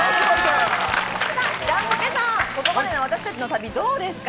ジャンポケさん、ここまでの私たちの旅どうですか？